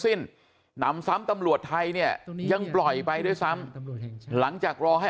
สิ้นหนำซ้ำตำรวจไทยเนี่ยยังปล่อยไปด้วยซ้ำหลังจากรอให้